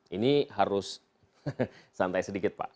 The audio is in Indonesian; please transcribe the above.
ini harus santai sedikit pak